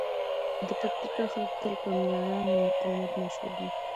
د پکتیکا خلک تل په مېړانې او مقاومت مشهور دي.